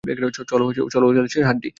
চলো, অলসের হাড্ডি।